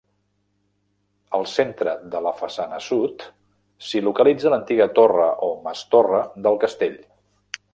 Al centre de la façana sud s'hi localitza l'antiga torre o mas-torre del castell.